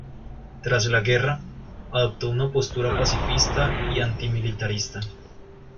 Tras la guerra, adoptó una postura pacifista y antimilitarista.